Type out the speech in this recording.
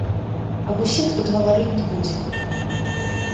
Аб усіх тут гаварыць не будзем.